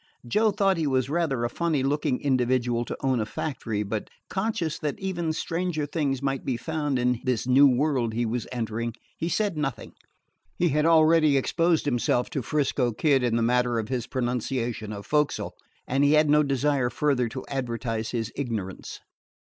Joe thought he was rather a funny looking individual to own a factory; but, conscious that even stranger things might be found in this new world he was entering, he said nothing. He had already exposed himself to 'Frisco Kid in the matter of his pronunciation of "fo'c'sle," and he had no desire further to advertise his ignorance.